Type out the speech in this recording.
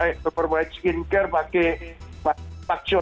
superboy skincare pakai pak syukun